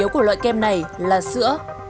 cái này là sữa